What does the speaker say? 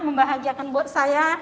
membahagiakan buat saya